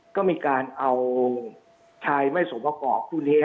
ก็มีการเอาชายไม่สมประกอบคู่นี้